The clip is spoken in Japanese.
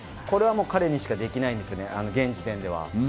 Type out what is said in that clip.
これはもう彼にしかできないんですよね、現時点では。